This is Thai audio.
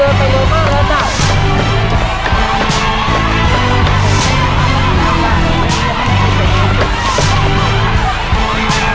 เวลามันเดินไปลงมากแล้วจ้ะ